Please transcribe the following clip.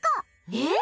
えっ